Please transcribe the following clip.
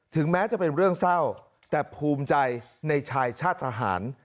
แม้จะเป็นเรื่องเศร้าแต่ภูมิใจในชายชาติทหาร